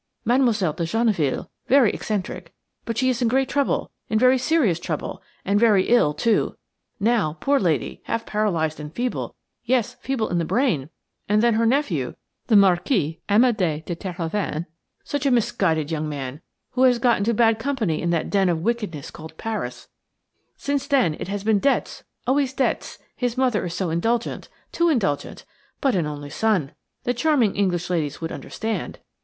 –Mademoiselle de Genneville–very eccentric–but she is in great trouble–in very serious trouble–and very ill too, now–poor lady–half paralysed and feeble–yes, feeble in the brain–and then her nephew, the Marquis Amédé de Terhoven–such a misguided young man–has got into bad company in that den of wickedness called Paris–since then it has been debts–always debts–his mother is so indulgent!–too indulgent! but an only son!–the charming English ladies would understand.